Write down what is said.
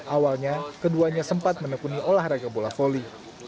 awalnya keduanya sempat menepuni olahraga bola voli